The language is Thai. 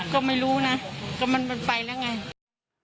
ก็ไม่รู้นะก็มันไปแล้วไง